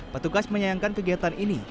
petugas menyayangkan kegiatan ini